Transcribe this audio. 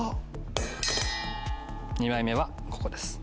２枚目はここです。